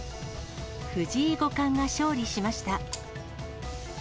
藤井五冠が勝利しました。